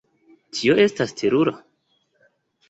Tio estas terura!